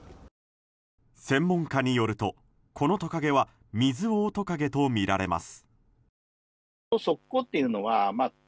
専門家によるとこのトカゲはミズオオトカゲとみられます。